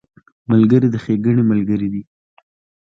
ملګری د ښېګڼې ملګری دی